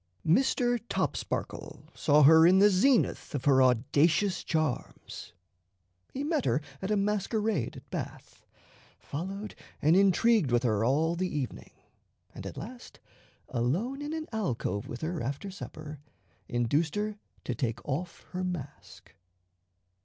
Mr. Topsparkle saw her in the zenith of her audacious charms. He met her at a masquerade at Bath, followed and intrigued with her all the evening, and at last, alone in an alcove with her after supper, induced her to take off her mask.